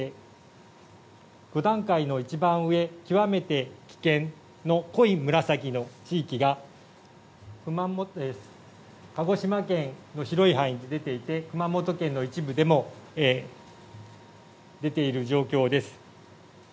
５段階の一番上極めて危険の濃い紫の地域が鹿児島県の広い範囲で出ていて熊本県の一部でも出ている状況です。